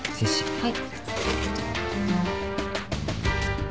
はい。